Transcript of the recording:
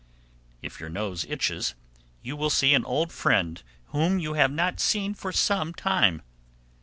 _ 783. If your nose itches, you will see an old friend whom you have not seen for some time.